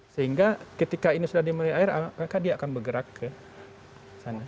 sehingga ketika ini sudah dimulai air maka dia akan bergerak ke sana